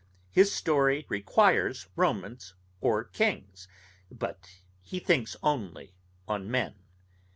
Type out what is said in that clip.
His story requires Romans or kings, but, he thinks only on men.